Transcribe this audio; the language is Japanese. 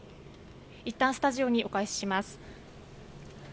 いったんスタジオにお返しします。